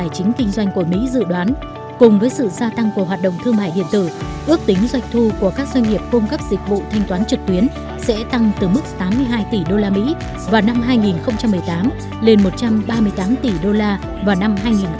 các doanh nghiệp cung cấp dịch vụ thanh toán trực tuyến sẽ tăng từ mức tám mươi hai tỷ usd vào năm hai nghìn một mươi tám lên một trăm ba mươi tám tỷ usd vào năm hai nghìn hai mươi bốn